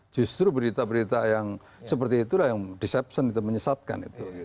justru berita berita yang seperti itulah yang deception itu menyesatkan itu